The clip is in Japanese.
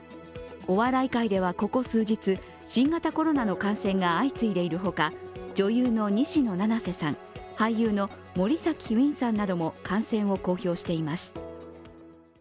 お笑い界では、ここ数日新型コロナの感染が相次いでいるほか、女優の西野七瀬さん俳優の森崎ウィンさんなども感染を公表しています。